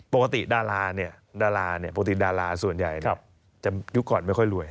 ปกติดาราส่วนใหญ่จะยุคก่อนไม่ค่อยรวย